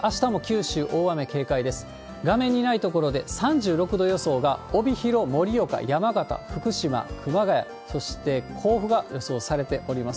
画面にない所で３６度予想が帯広、盛岡、山形、福島、熊谷そして甲府が予想されております。